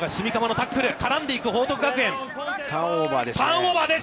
ターンオーバーです。